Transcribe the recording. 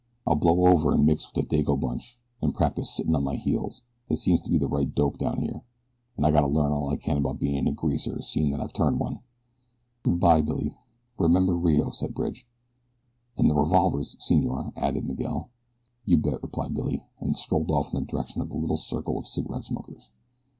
I'll blow over and mix with the Dago bunch, an' practice sittin' on my heels. It seems to be the right dope down here, an' I got to learn all I can about bein' a greaser seein' that I've turned one." "Good bye Billy, remember Rio," said Bridge. "And the revolvers, senor," added Miguel. "You bet," replied Billy, and strolled off in the direction of the little circle of cigarette smokers.